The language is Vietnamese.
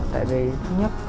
tại vì thứ nhất